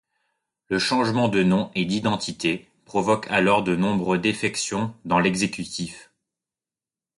Le changement de nom et d'identité provoque alors de nombreuses défections dans l'exécutif.